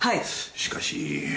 しかし。